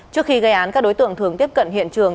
trước khi gây án các đối tượng thường tiếp cận hiện trường